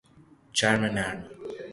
چرم نرم